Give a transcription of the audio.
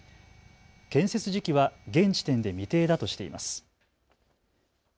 建設時期は現時点で未定だとしています。